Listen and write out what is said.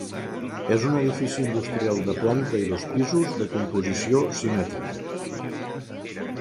És un edifici industrial de planta i dos pisos de composició simètrica.